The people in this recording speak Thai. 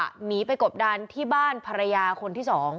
หนีไปกบดันที่บ้านภรรยาคนที่๒